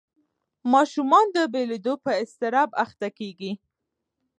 ماشومان د بېلېدو پر اضطراب اخته کېږي.